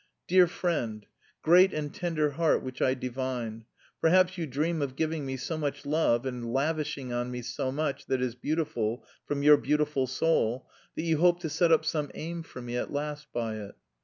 "Dear friend! Great and tender heart which I divined! Perhaps you dream of giving me so much love and lavishing on me so much that is beautiful from your beautiful soul, that you hope to set up some aim for me at last by it?